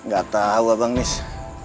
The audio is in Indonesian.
gak tau abang nih aku